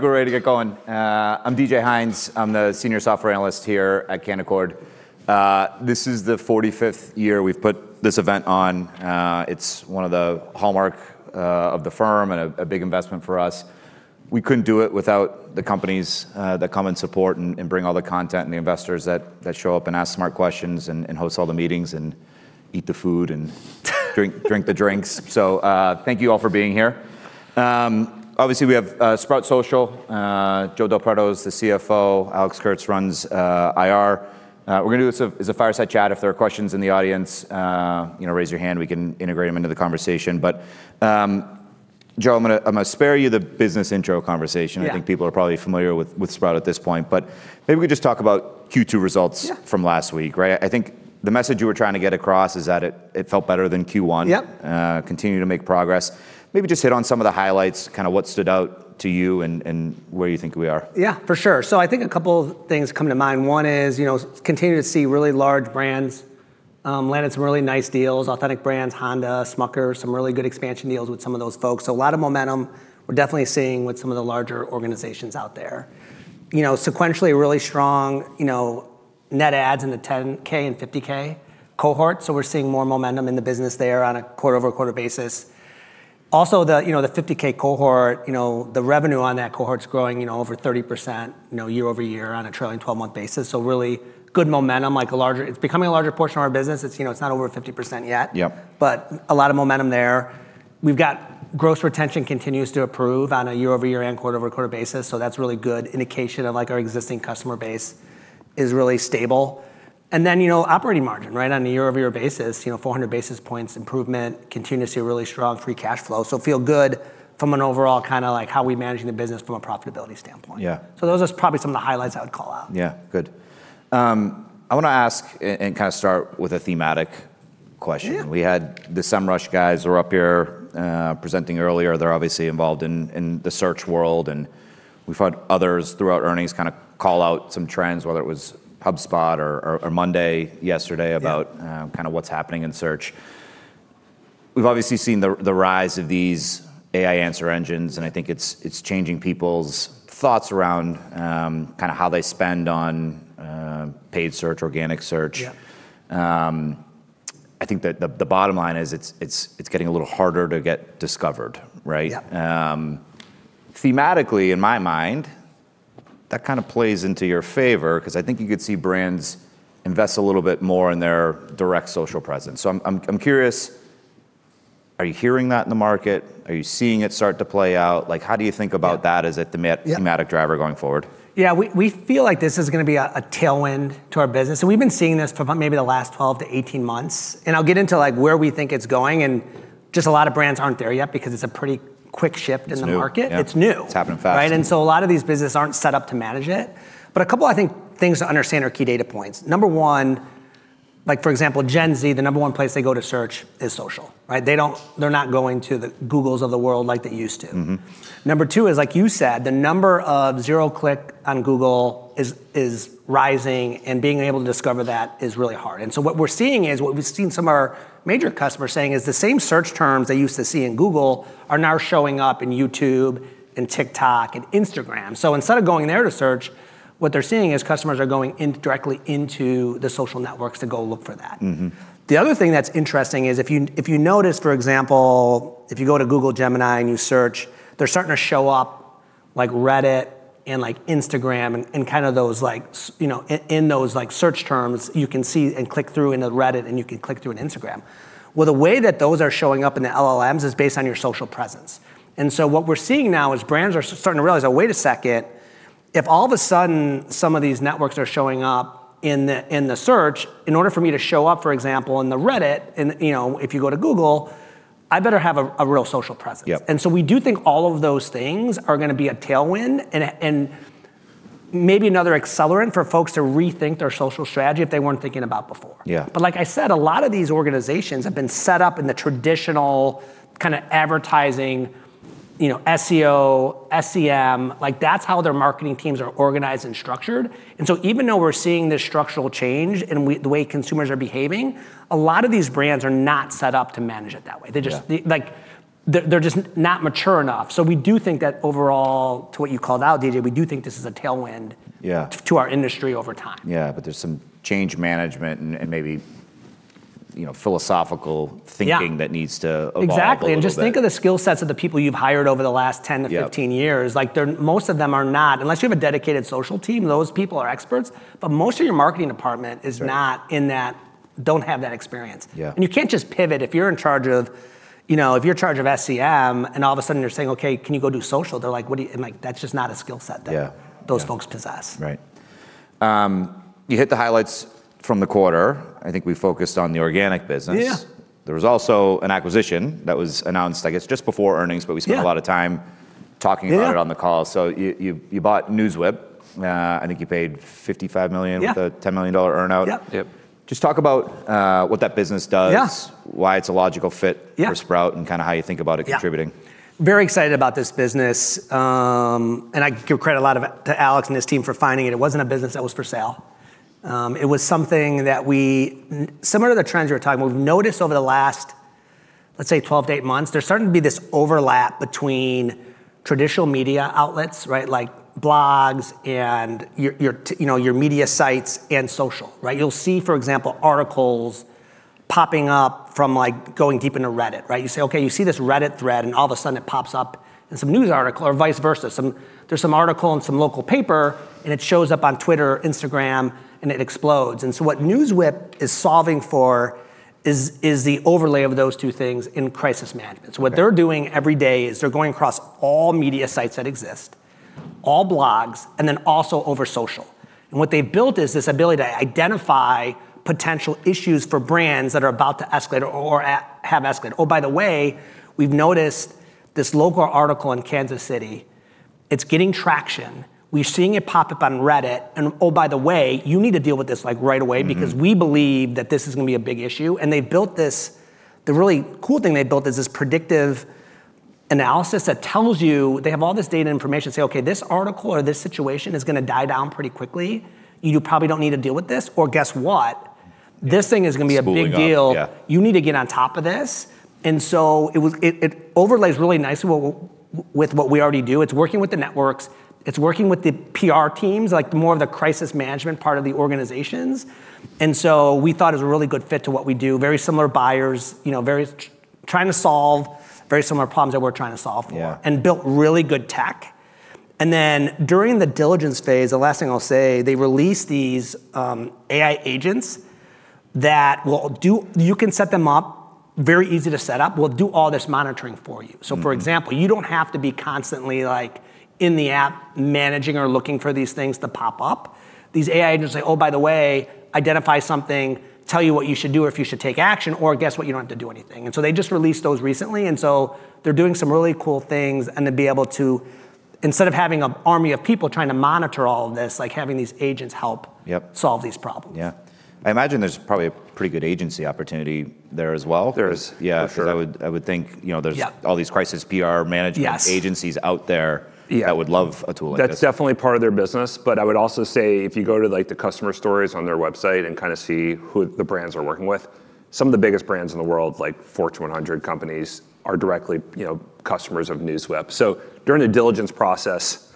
Great. Good going. I'm DJ Hynes. I'm the Senior Software Analyst here at Canaccord. This is the 45th year we've put this event on. It's one of the hallmarks of the firm and a big investment for us. We couldn't do it without the companies that come and support and bring all the content and the investors that show up and ask smart questions and host all the meetings and eat the food and drink the drinks. So, thank you all for being here. Obviously, we have Sprout Social. Joe Del Preto is the CFO. Alex Kurtz runs IR. We're gonna do this as a fireside chat. If there are questions in the audience, you know, raise your hand. We can integrate them into the conversation. But, Joe, I'm gonna spare you the business intro conversation. I think people are probably familiar with Sprout at this point, but maybe we could just talk about Q2 results from last week, right? I think the message you were trying to get across is that it felt better than Q1. Yep. Continue to make progress. Maybe just hit on some of the highlights, kind of what stood out to you and where you think we are. Yeah, for sure. So I think a couple of things come to mind. One is, you know, continue to see really large brands, landed some really nice deals, authentic brands, Honda, Smucker, some really good expansion deals with some of those folks. So a lot of momentum we're definitely seeing with some of the larger organizations out there. You know, sequentially really strong, you know, net adds in the 10K and 50K cohort. So we're seeing more momentum in the business there on a quarter-over-quarter basis. Also, the, you know, the 50K cohort, you know, the revenue on that cohort's growing, you know, over 30%, you know, year over year on a trailing 12-month basis. So really good momentum, like a larger, it's becoming a larger portion of our business. It's, you know, it's not over 50% yet. Yep. But a lot of momentum there. We've got gross retention continues to improve on a year-over-year and quarter-over-quarter basis. So that's really good indication of like our existing customer base is really stable. And then, you know, operating margin, right, on a year-over-year basis, you know, 400 basis points improvement, continues to see a really strong free cash flow. So feel good from an overall kind of like how we managing the business from a profitability standpoint. Yeah. So those are probably some of the highlights I would call out. Yeah. Good. I wanna ask and kind of start with a thematic question. Yeah. We had the Semrush guys were up here, presenting earlier. They're obviously involved in the search world, and we've had others throughout earnings kind of call out some trends, whether it was HubSpot or Monday yesterday about, kind of what's happening in search. We've obviously seen the rise of these AI answer engines, and I think it's changing people's thoughts around, kind of how they spend on, paid search, organic search. Yep. I think that the bottom line is it's getting a little harder to get discovered, right? Yep. Thematically, in my mind, that kind of plays into your favor 'cause I think you could see brands invest a little bit more in their direct social presence. So I'm curious, are you hearing that in the market? Are you seeing it start to play out? Like, how do you think about that as a thematic driver going forward? Yeah. We feel like this is gonna be a tailwind to our business. And we've been seeing this for maybe the last 12 to 18 months. And I'll get into like where we think it's going. And just a lot of brands aren't there yet because it's a pretty quick shift in the market. Yeah. It's new. It's happening fast. Right? A lot of these businesses aren't set up to manage it. A couple I think things to understand are key data points. Number one, like for example, Gen Z, the number one place they go to search is social, right? They don't, they're not going to the Googles of the world like they used to. Mm-hmm. Number two is, like you said, the number of zero-click on Google is rising, and being able to discover that is really hard, and so what we're seeing is what we've seen some of our major customers saying is the same search terms they used to see in Google are now showing up in YouTube and TikTok and Instagram, so instead of going there to search, what they're seeing is customers are going directly into the social networks to go look for that. Mm-hmm. The other thing that's interesting is if you notice, for example, if you go to Google Gemini and you search, they're starting to show up like Reddit and like Instagram and kind of those like, you know, in those like search terms, you can see and click through in Reddit and you can click through in Instagram, well, the way that those are showing up in the LLMs is based on your social presence, and so what we're seeing now is brands are starting to realize, oh, wait a second, if all of a sudden some of these networks are showing up in the search, in order for me to show up, for example, in the Reddit, and you know, if you go to Google, I better have a real social presence. Yep. And so we do think all of those things are gonna be a tailwind and maybe another accelerant for folks to rethink their social strategy if they weren't thinking about before. Yeah. But like I said, a lot of these organizations have been set up in the traditional kind of advertising, you know, SEO, SEM, like that's how their marketing teams are organized and structured. And so even though we're seeing this structural change and the way consumers are behaving, a lot of these brands are not set up to manage it that way. They just, like, they're just not mature enough. So we do think that overall, to what you called out, DJ, we do think this is a tailwind. Yeah. To our industry over time. Yeah. But there's some change management and maybe, you know, philosophical thinking that needs to evolve. Exactly. And just think of the skill sets of the people you've hired over the last 10 to 15 years. Like, most of them are not, unless you have a dedicated social team, those people are experts. But most of your marketing department is not in that, don't have that experience. Yeah. And you can't just pivot. If you're in charge of, you know, if you're in charge of SEM and all of a sudden you're saying, okay, can you go do social? They're like, what do you, like, that's just not a skill set that those folks possess. Right. You hit the highlights from the quarter. I think we focused on the organic business. Yeah. There was also an acquisition that was announced, I guess, just before earnings, but we spent a lot of time talking about it on the call. Yeah. You bought NewsWhip. I think you paid $55 million. Yeah. With a $10 million earnout. Yep. Yep. Just talk about what that business does. Yes. Why it's a logical fit. Yep. For Sprout and kind of how you think about it contributing. Very excited about this business, and I give credit a lot to Alex and his team for finding it. It wasn't a business that was for sale. It was something that we, similar to the trends we're talking about, we've noticed over the last, let's say, 12 to 18 months, there's starting to be this overlap between traditional media outlets, right, like blogs and your, you know, your media sites and social, right? You'll see, for example, articles popping up from like going deep into Reddit, right? You say, okay, you see this Reddit thread and all of a sudden it pops up in some news article or vice versa. Some, there's some article in some local paper and it shows up on Twitter, Instagram, and it explodes, and so what NewsWhip is solving for is the overlay of those two things in crisis management. So what they're doing every day is they're going across all media sites that exist, all blogs, and then also over social. And what they've built is this ability to identify potential issues for brands that are about to escalate or have escalated. Oh, by the way, we've noticed this local article in Kansas City. It's getting traction. We're seeing it pop up on Reddit. And oh, by the way, you need to deal with this like right away because we believe that this is gonna be a big issue. And they've built this, the really cool thing they built is this predictive analysis that tells you, they have all this data and information to say, okay, this article or this situation is gonna die down pretty quickly. You probably don't need to deal with this. Or guess what? This thing is gonna be a big deal. It's a big deal. Yeah. You need to get on top of this, and so it was, it overlays really nicely with what we already do. It's working with the networks. It's working with the PR teams, like more of the crisis management part of the organizations, and so we thought it was a really good fit to what we do. Very similar buyers, you know, very trying to solve very similar problems that we're trying to solve for. Yeah. And built really good tech. And then during the diligence phase, the last thing I'll say, they released these AI agents that will do, you can set them up, very easy to set up, will do all this monitoring for you. Yeah. So for example, you don't have to be constantly like in the app managing or looking for these things to pop up. These AI agents say, oh, by the way, identify something, tell you what you should do or if you should take action, or guess what, you don't have to do anything. And so they just released those recently. And so they're doing some really cool things and to be able to, instead of having an army of people trying to monitor all of this, like having these agents help. Yep. Solve these problems. Yeah. I imagine there's probably a pretty good agency opportunity there as well. There is. Yeah. For sure. I would think, you know, there's. Yep. All these crisis PR management. Yes. Agencies out there. Yeah. That would love a tool like this. That's definitely part of their business. But I would also say if you go to like the customer stories on their website and kind of see who the brands are working with, some of the biggest brands in the world, like Fortune 100 companies are directly, you know, customers of NewsWhip. So during the diligence process,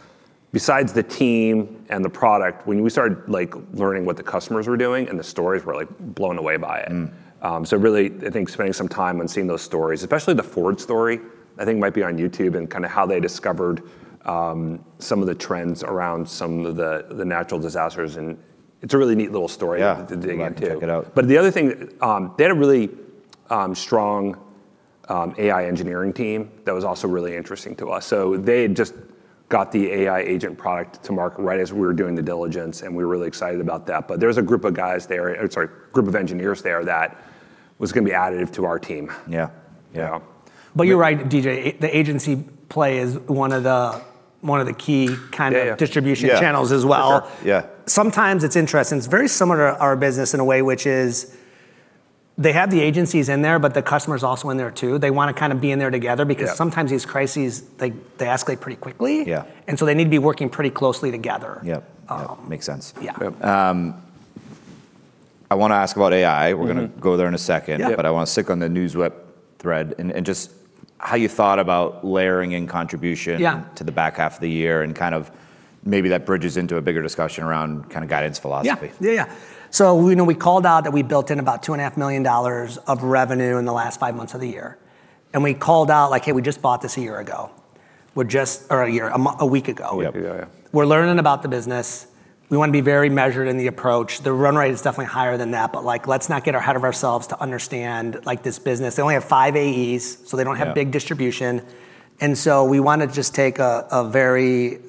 besides the team and the product, when we started like learning what the customers were doing and the stories, we're like blown away by it. Mm-hmm. So really I think spending some time on seeing those stories, especially the Ford story, I think might be on YouTube and kind of how they discovered some of the trends around some of the natural disasters. And it's a really neat little story. Yeah. I'd like to check it out. But the other thing, they had a really strong AI engineering team that was also really interesting to us. So they had just got the AI agent product to market right as we were doing the diligence, and we were really excited about that. But there was a group of guys there, or sorry, a group of engineers there that was gonna be added to our team. Yeah. Yeah. But you're right, DJ. The agency play is one of the key kind of distribution channels as well. Yeah. Sometimes it's interesting. It's very similar to our business in a way, which is they have the agencies in there, but the customers also in there too. They wanna kind of be in there together because sometimes these crises, they escalate pretty quickly. Yeah. And so they need to be working pretty closely together. Yep. Makes sense. Yeah. Yep. I wanna ask about AI. Yeah. We're gonna go there in a second. Yeah. But I wanna stick on the NewsWhip thread and just how you thought about layering in contribution. Yeah. To the back half of the year and kind of maybe that bridges into a bigger discussion around kind of guidance philosophy. Yeah. Yeah. Yeah. So we, you know, we called out that we built in about $2.5 million of revenue in the last five months of the year. And we called out like, hey, we just bought this a year ago. We're just, or a year, a month, a week ago. Yep. Yeah. Yeah. We're learning about the business. We wanna be very measured in the approach. The run rate is definitely higher than that, but like, let's not get ahead of ourselves to understand like this business. They only have five AEs, so they don't have big distribution, and so we wanted to just take a very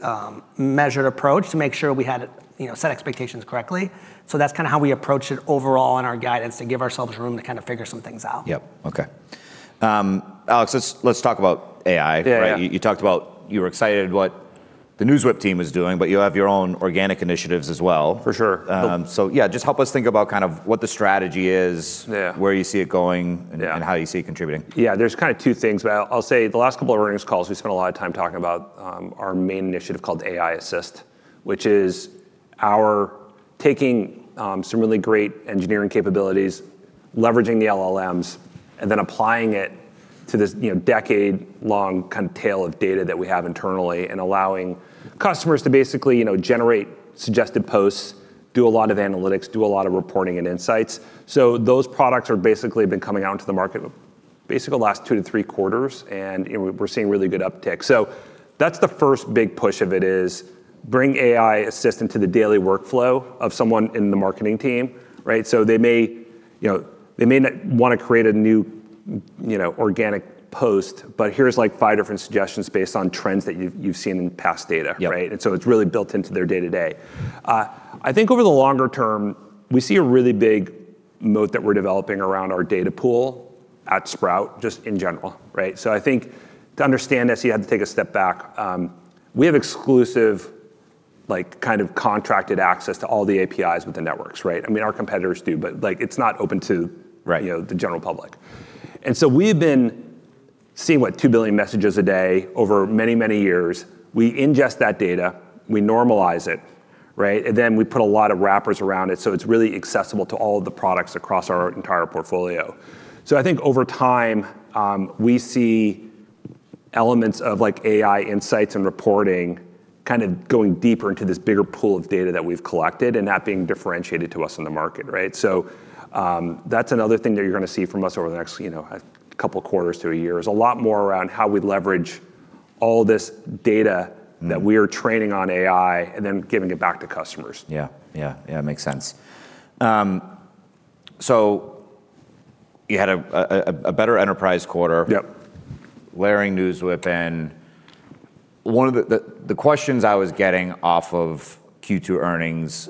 measured approach to make sure we had, you know, set expectations correctly, so that's kind of how we approached it overall in our guidance to give ourselves room to kind of figure some things out. Yep. Okay. Alex, let's talk about AI, right? Yeah. You talked about you were excited about what the NewsWhip team was doing, but you have your own organic initiatives as well. For sure. So yeah, just help us think about kind of what the strategy is. Yeah. Where you see it going? Yeah. How you see it contributing. Yeah. There's kind of two things, but I'll say the last couple of earnings calls, we spent a lot of time talking about our main initiative called AI Assist, which is our taking some really great engineering capabilities, leveraging the LLMs, and then applying it to this, you know, decade-long kind of tail of data that we have internally and allowing customers to basically, you know, generate suggested posts, do a lot of analytics, do a lot of reporting and insights. So those products are basically been coming out into the market basically the last two to three quarters. And, you know, we're seeing really good uptick. So that's the first big push of it is bring AI assistant to the daily workflow of someone in the marketing team, right? So they may, you know, they may not wanna create a new, you know, organic post, but here's like five different suggestions based on trends that you've seen in past data. Yep. Right? And so it's really built into their day-to-day. I think over the longer term, we see a really big moat that we're developing around our data pool at Sprout just in general, right? So I think to understand this, you had to take a step back. We have exclusive like kind of contracted access to all the APIs with the networks, right? I mean, our competitors do, but like it's not open to. Right. You know, the general public. And so we've been seeing what, 2 billion messages a day over many, many years. We ingest that data, we normalize it, right? And then we put a lot of wrappers around it. So it's really accessible to all of the products across our entire portfolio. So I think over time, we see elements of like AI insights and reporting kind of going deeper into this bigger pool of data that we've collected and that being differentiated to us in the market, right? So, that's another thing that you're gonna see from us over the next, you know, a couple quarters to a year is a lot more around how we leverage all this data that we are training on AI and then giving it back to customers. Yeah. Yeah. Yeah. Makes sense. So you had a better enterprise quarter. Yep. Layering NewsWhip in. One of the questions I was getting off of Q2 earnings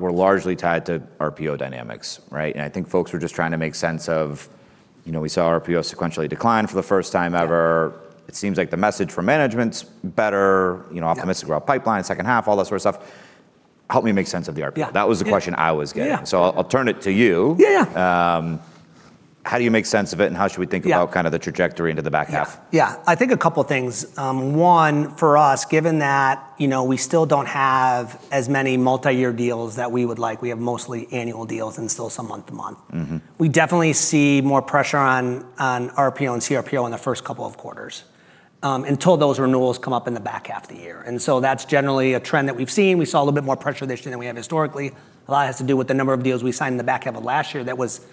were largely tied to RPO dynamics, right? And I think folks were just trying to make sense of, you know, we saw RPO sequentially decline for the first time ever. It seems like the message for management's better, you know, optimistic about pipeline, second half, all that sort of stuff. Help me make sense of the RPO. Yeah. That was the question I was getting. Yeah. So I'll turn it to you. Yeah. Yeah. How do you make sense of it, and how should we think about kind of the trajectory into the back half? Yeah. Yeah. I think a couple things. One for us, given that, you know, we still don't have as many multi-year deals that we would like. We have mostly annual deals and still some month-to-month. Mm-hmm. We definitely see more pressure on RPO and CRPO in the first couple of quarters, until those renewals come up in the back half of the year. And so that's generally a trend that we've seen. We saw a little bit more pressure this year than we have historically. A lot has to do with the number of deals we signed in the back half of last year that was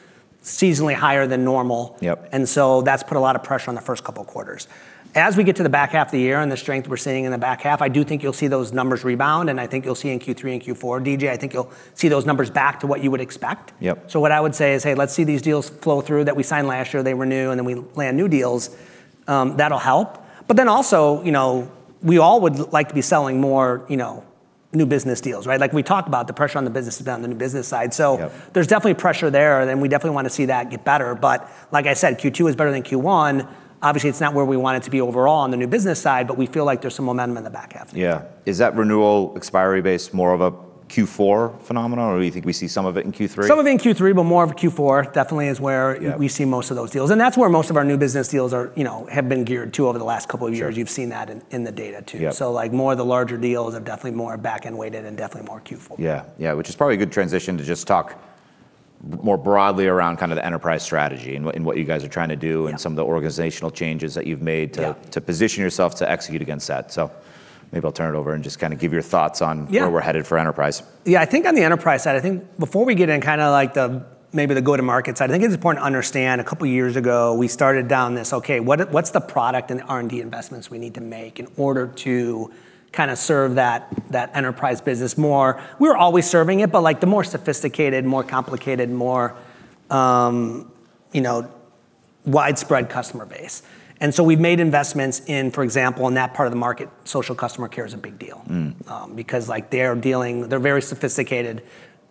seasonally higher than normal. Yep. And so that's put a lot of pressure on the first couple quarters. As we get to the back half of the year and the strength we're seeing in the back half, I do think you'll see those numbers rebound. And I think you'll see in Q3 and Q4, DJ, I think you'll see those numbers back to what you would expect. Yep. So what I would say is, hey, let's see these deals flow through that we signed last year. They were new and then we land new deals. That'll help. But then also, you know, we all would like to be selling more, you know, new business deals, right? Like we talked about the pressure on the business has been on the new business side. So. Yep. There's definitely pressure there. And we definitely wanna see that get better. But like I said, Q2 is better than Q1. Obviously, it's not where we want it to be overall on the new business side, but we feel like there's some momentum in the back half there. Yeah. Is that renewal expiry based more of a Q4 phenomenon or do you think we see some of it in Q3? Some of it in Q3, but more of Q4 definitely is where. Yeah. We see most of those deals. And that's where most of our new business deals are, you know, have been geared to over the last couple of years. Sure. You've seen that in the data too. Yeah. So like more of the larger deals are definitely more back-end weighted and definitely more Q4. Yeah. Yeah. Which is probably a good transition to just talk more broadly around kind of the enterprise strategy and what you guys are trying to do. Yeah. And some of the organizational changes that you've made to. Yep. To position yourself to execute against that. So maybe I'll turn it over and just kind of give your thoughts on. Yeah. Where we're headed for enterprise. Yeah. I think on the enterprise side, I think before we get in kind of like the maybe the go-to-market side, I think it's important to understand a couple years ago we started down this, okay, what's the product and the R&D investments we need to make in order to kind of serve that, that enterprise business more? We were always serving it, but like the more sophisticated, more complicated, more, you know, widespread customer base. And so we've made investments in, for example, in that part of the market, social customer care is a big deal. Mm-hmm. because like they're dealing, they're very sophisticated.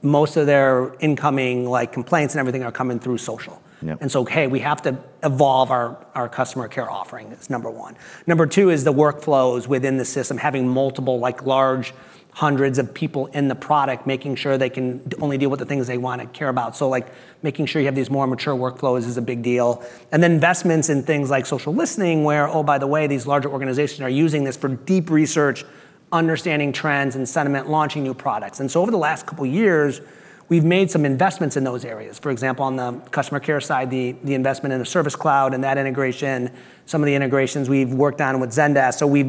Most of their incoming like complaints and everything are coming through social. Yep. Hey, we have to evolve our customer care offering, which is number one. Number two is the workflows within the system, having multiple like large hundreds of people in the product, making sure they can only deal with the things they wanna care about. So like making sure you have these more mature workflows is a big deal. And then investments in things like social listening, where, oh, by the way, these larger organizations are using this for deep research, understanding trends and sentiment, launching new products. And so over the last couple years, we've made some investments in those areas. For example, on the customer care side, the investment in the Service Cloud and that integration, some of the integrations we've worked on with Zendesk. So we've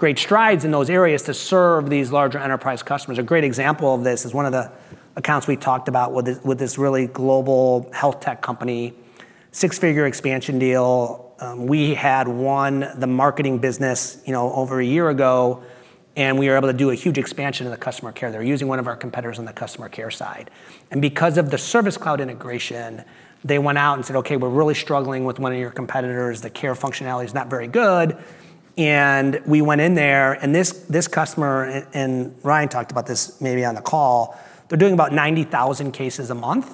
made great strides in those areas to serve these larger enterprise customers. A great example of this is one of the accounts we talked about with this really global health tech company, six-figure expansion deal. We had won the marketing business, you know, over a year ago, and we were able to do a huge expansion of the customer care. They were using one of our competitors on the customer care side. And because of the Service Cloud integration, they went out and said, okay, we're really struggling with one of your competitors. The care functionality is not very good. And we went in there and this customer, and Ryan talked about this maybe on the call, they're doing about 90,000 cases a month.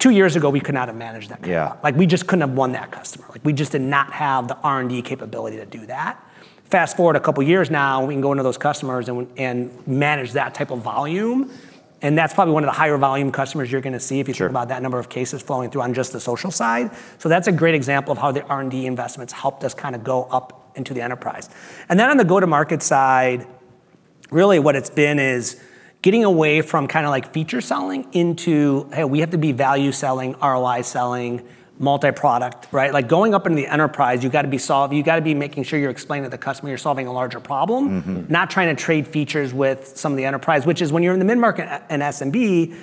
Two years ago, we could not have managed that. Yeah. Like we just couldn't have won that customer. Like we just did not have the R&D capability to do that. Fast forward a couple years now, we can go into those customers and manage that type of volume. And that's probably one of the higher volume customers you're gonna see if you think about that number of cases flowing through on just the social side. So that's a great example of how the R&D investments helped us kind of go up into the enterprise. And then on the go-to-market side, really what it's been is getting away from kind of like feature selling into, hey, we have to be value selling, ROI selling, multi-product, right? Like going up into the enterprise, you gotta be solving, you gotta be making sure you're explaining to the customer you're solving a larger problem. Mm-hmm. Not trying to trade features with some of the enterprise, which is when you're in the mid-market and SMB,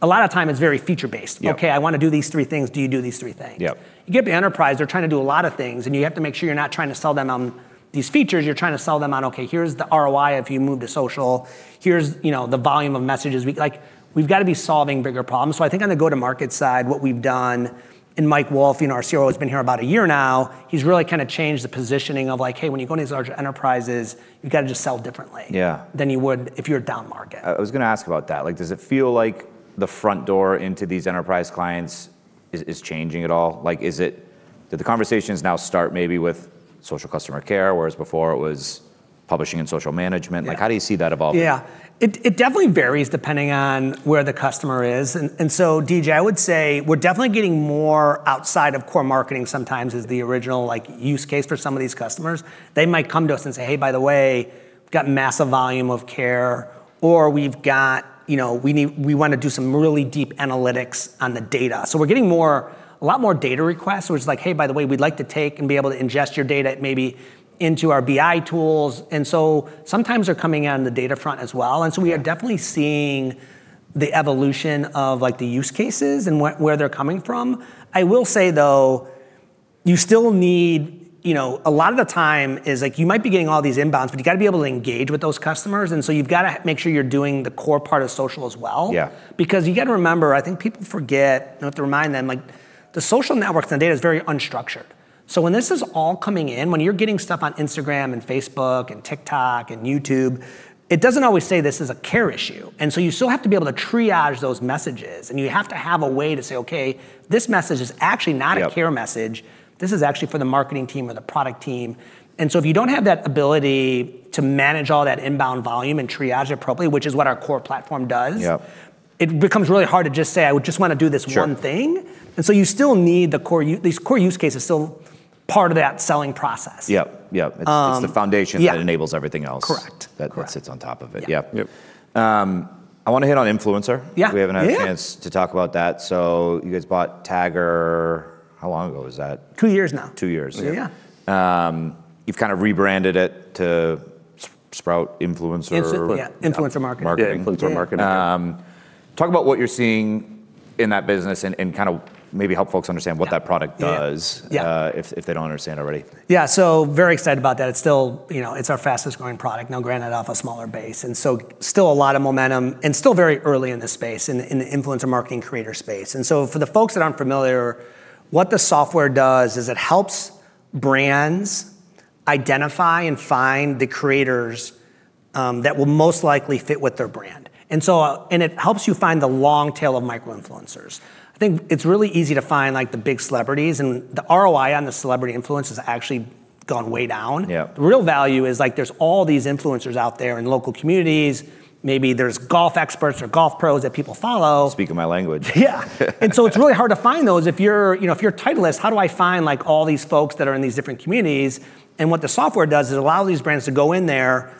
a lot of time it's very feature-based. Yep. Okay, I wanna do these three things. Do you do these three things? Yep. You get the enterprise; they're trying to do a lot of things, and you have to make sure you're not trying to sell them on these features. You're trying to sell them on, okay, here's the ROI if you move to social. Here's, you know, the volume of messages we like. We've gotta be solving bigger problems. So I think on the go-to-market side, what we've done, and Mike Wolff, you know, our CRO has been here about a year now. He's really kind of changed the positioning of like, hey, when you go into these larger enterprises, you gotta just sell differently. Yeah. Than you would if you're down market. I was gonna ask about that. Like, does it feel like the front door into these enterprise clients is changing at all? Like, is it, do the conversations now start maybe with social customer care, whereas before it was publishing and social management? Like, how do you see that evolving? Yeah. It definitely varies depending on where the customer is. And so DJ, I would say we're definitely getting more outside of core marketing sometimes as the original like use case for some of these customers. They might come to us and say, hey, by the way, we've got massive volume of care, or we've got, you know, we need, we wanna do some really deep analytics on the data. So we're getting more, a lot more data requests, which is like, hey, by the way, we'd like to take and be able to ingest your data maybe into our BI tools. And so sometimes they're coming on the data front as well. And so we are definitely seeing the evolution of like the use cases and what, where they're coming from. I will say though, you still need, you know, a lot of the time is like, you might be getting all these inbounds, but you gotta be able to engage with those customers. And so you've gotta make sure you're doing the core part of social as well. Yeah. Because you gotta remember, I think people forget, you know, to remind them like the social networks and the data is very unstructured. So when this is all coming in, when you're getting stuff on Instagram and Facebook and TikTok and YouTube, it doesn't always say this is a care issue. And so you still have to be able to triage those messages. And you have to have a way to say, okay, this message is actually not a care message. Yeah. This is actually for the marketing team or the product team, and so if you don't have that ability to manage all that inbound volume and triage it appropriately, which is what our core platform does. Yep. It becomes really hard to just say, I would just wanna do this one thing. Sure. And so you still need the core, these core use cases still part of that selling process. Yep. Yep. It's, it's the foundation. Yeah. That enables everything else. Correct. Correct. That sits on top of it. Yep. Yep. I wanna hit on influencer. Yeah. We haven't had a chance to talk about that. So you guys bought Tagger how long ago was that? Two years now. Two years. Yeah. You've kind of rebranded it to Sprout Influencer. Absolutely. Yeah. Influencer marketing. Marketing. Influencer marketing. Talk about what you're seeing in that business and kind of maybe help folks understand what that product does. Yeah. If they don't understand already. Yeah. So very excited about that. It's still, you know, it's our fastest growing product, no, granted off a smaller base. And so still a lot of momentum and still very early in this space in the influencer marketing creator space. And so for the folks that aren't familiar, what the software does is it helps brands identify and find the creators that will most likely fit with their brand. And so, and it helps you find the long tail of micro influencers. I think it's really easy to find like the big celebrities and the ROI on the celebrity influence has actually gone way down. Yeah. The real value is like there's all these influencers out there in local communities. Maybe there's golf experts or golf pros that people follow. Speaking my language. Yeah. And so it's really hard to find those if you're, you know, if you're a Titleist, how do I find like all these folks that are in these different communities? And what the software does is allow these brands to go in there,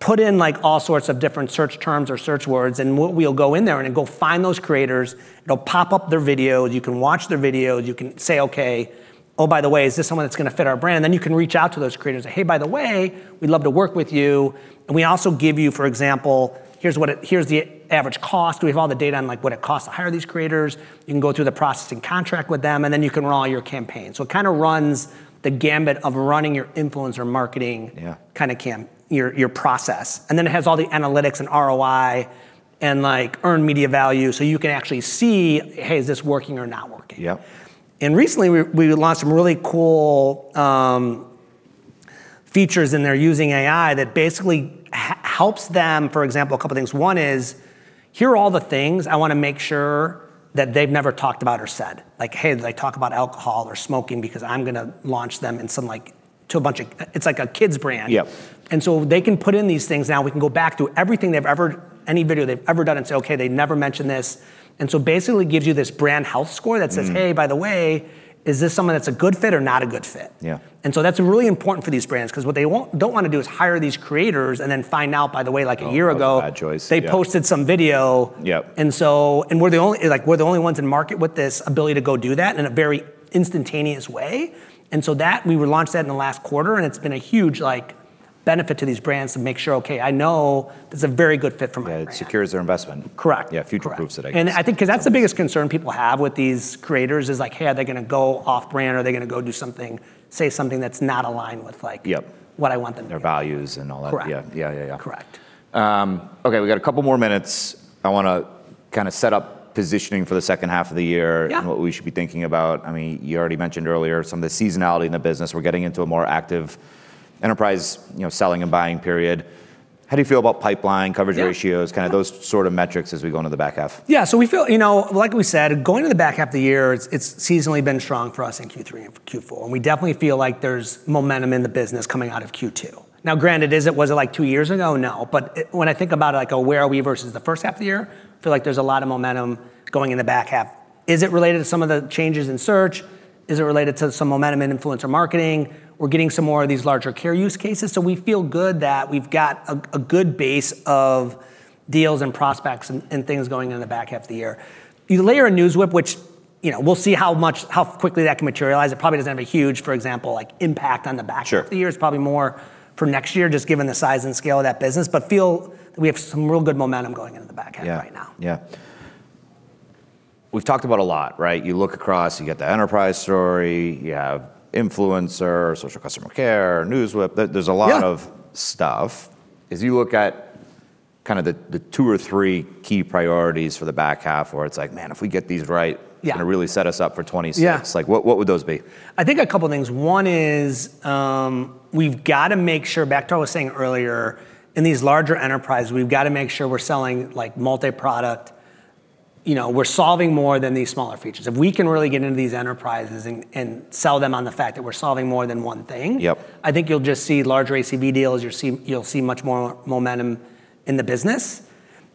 put in like all sorts of different search terms or search words, and we'll go in there and go find those creators. It'll pop up their videos. You can watch their videos. You can say, okay, oh, by the way, is this someone that's gonna fit our brand? Then you can reach out to those creators and say, hey, by the way, we'd love to work with you. And we also give you, for example, here's the average cost. We have all the data on like what it costs to hire these creators. You can go through the process and contract with them, and then you can run all your campaigns, so it kind of runs the gamut of running your influencer marketing. Yeah. Kind of captures your process. And then it has all the analytics and ROI and like earned media value. So you can actually see, hey, is this working or not working? Yep. Recently we launched some really cool features in there using AI that basically helps them, for example, a couple things. One is, here are all the things I wanna make sure that they've never talked about or said. Like, hey, they talk about alcohol or smoking because I'm gonna launch them in some like to a bunch of, it's like a kids' brand. Yep. And so they can put in these things now. We can go back to everything they've ever, any video they've ever done and say, okay, they never mentioned this. And so basically gives you this brand health score that says, hey, by the way, is this someone that's a good fit or not a good fit? Yeah. And so that's really important for these brands 'cause what they won't, don't wanna do is hire these creators and then find out, by the way, like a year ago. Bad choice. They posted some video. Yep. We're the only ones in market with this ability to go do that in a very instantaneous way. We launched that in the last quarter, and it's been a huge like benefit to these brands to make sure, okay, I know that's a very good fit for my brand. Yeah. It secures their investment. Correct. Yeah. Future proves that. And I think 'cause that's the biggest concern people have with these creators is like, hey, are they gonna go off brand or are they gonna go do something, say something that's not aligned with like. Yep. What I want them to do. Their values and all that. Correct. Yeah. Yeah. Yeah. Correct. Okay. We got a couple more minutes. I wanna kind of set up positioning for the second half of the year. Yeah. What we should be thinking about. I mean, you already mentioned earlier some of the seasonality in the business. We're getting into a more active enterprise, you know, selling and buying period. How do you feel about pipeline coverage ratios? Yeah. Kind of those sort of metrics as we go into the back half? Yeah. So we feel, you know, like we said, going to the back half of the year, it's seasonally been strong for us in Q3 and Q4. And we definitely feel like there's momentum in the business coming out of Q2. Now, granted, is it, was it like two years ago? No. But when I think about it, like, oh, where are we versus the first half of the year, I feel like there's a lot of momentum going in the back half. Is it related to some of the changes in search? Is it related to some momentum in influencer marketing? We're getting some more of these larger care use cases. So we feel good that we've got a good base of deals and prospects and things going into the back half of the year. You layer a NewsWhip, which, you know, we'll see how much, how quickly that can materialize. It probably doesn't have a huge, for example, like impact on the back half of the year. Sure. It's probably more for next year, just given the size and scale of that business, but feel that we have some real good momentum going into the back half right now. Yeah. Yeah. We've talked about a lot, right? You look across, you got the enterprise story, you have influencer, social customer care, NewsWhip. There's a lot of. Yeah. Stuff. As you look at kind of the two or three key priorities for the back half where it's like, man, if we get these right. Yeah. Gonna really set us up for 2026. Yeah. Like what, what would those be? I think a couple things. One is, we've gotta make sure, back to what I was saying earlier, in these larger enterprises, we've gotta make sure we're selling like multi-product. You know, we're solving more than these smaller features. If we can really get into these enterprises and sell them on the fact that we're solving more than one thing. Yep. I think you'll just see larger ACV deals. You'll see much more momentum in the business.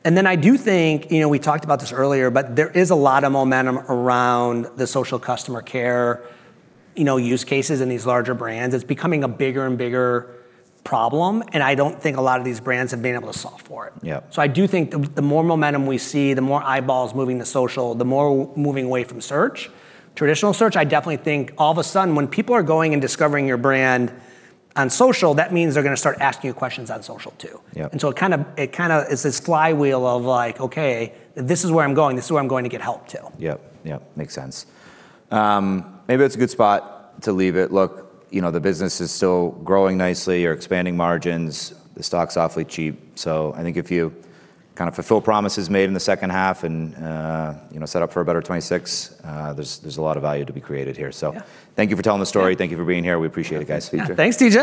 And then I do think, you know, we talked about this earlier, but there is a lot of momentum around the social customer care, you know, use cases in these larger brands. It's becoming a bigger and bigger problem, and I don't think a lot of these brands have been able to solve for it. Yep. So I do think the more momentum we see, the more eyeballs moving to social, the more moving away from search, traditional search. I definitely think all of a sudden when people are going and discovering your brand on social, that means they're gonna start asking you questions on social too. Yep. And so it kind of, it's this flywheel of like, okay, this is where I'm going. This is where I'm going to get help too. Yep. Yep. Makes sense. Maybe that's a good spot to leave it. Look, you know, the business is still growing nicely. You're expanding margins. The stock's awfully cheap. So I think if you kind of fulfill promises made in the second half and, you know, set up for a better 2026, there's a lot of value to be created here. So. Yeah. Thank you for telling the story. Thank you for being here. We appreciate it, guys. Thanks. Thank you.